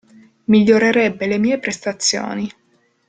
Migliorerebbe le mie prestazioni.